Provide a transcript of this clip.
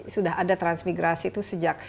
sudah ada transmigrasi itu sejak